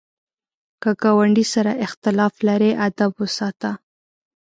که ګاونډي سره اختلاف لرې، ادب وساته